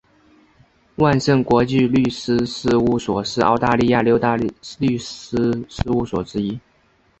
万盛国际律师事务所是澳大利亚六大律师事务所之一。